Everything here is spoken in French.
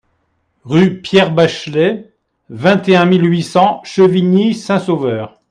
Rue Pierre Bachelet, vingt et un mille huit cents Chevigny-Saint-Sauveur